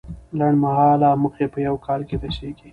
لنډمهاله موخې په یو کال کې رسیږي.